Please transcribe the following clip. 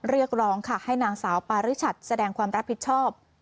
เรียกร้องค่ะให้นางสาวปาริชัดแสดงความรับผิดชอบ